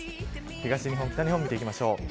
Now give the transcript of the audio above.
東日本、北日本を見ていきましょう。